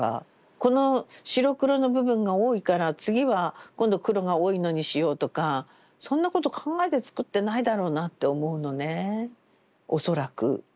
この白黒の部分が多いから次は今度黒が多いのにしようとかそんなこと考えてつくってないだろうなって思うのね恐らく。